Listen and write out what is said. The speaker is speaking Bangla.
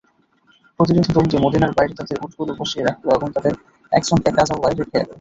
প্রতিনিধি দলটি মদীনার বাইরে তাদের উটগুলো বসিয়ে রাখল এবং তাদের একজনকে কাজাওয়ায় রেখে এল।